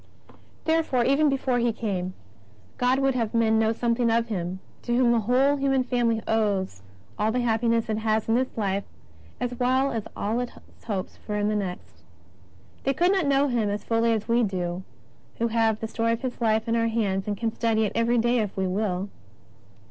33 Therefore, even before He came, God would have men knovt^ something of Him to whom the whole human family owes all the happiness it has in this life as well as all it hopes for in the next. They could not know Him as fully as we do who have the story of His Life in our hands and can study it every day if we will.